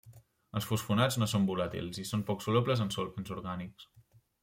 Els fosfonats no són volàtils i són poc solubles en solvents orgànics.